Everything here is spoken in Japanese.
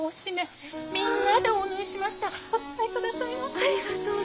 ありがとうお富。